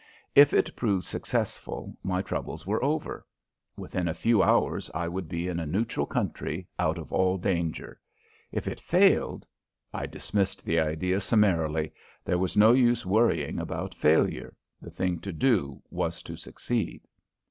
If it proved successful, my troubles were over; within a few hours I would be in a neutral country out of all danger. If it failed I dismissed the idea summarily. There was no use worrying about failure; the thing to do was to succeed.